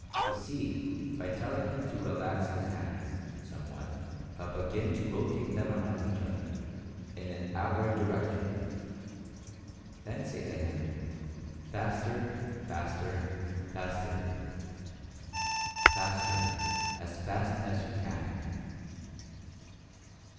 Proceed by telling him to relax his hands, somewhat, but begin to rotate them around each other in an outward direction. Then say to him, "Faster, faster, faster, FASTER — as fast as you can."